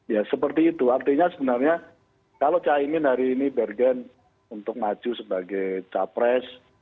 ya seperti itu artinya sebenarnya kalau caimin hari ini bergen untuk maju sebagai capres